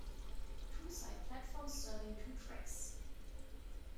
Two side platforms serving two tracks.